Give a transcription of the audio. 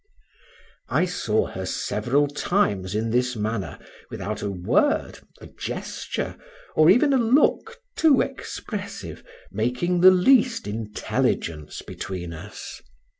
I saw her several times in this manner without a word, a gesture, or even a look, too expressive, making the least intelligence between us.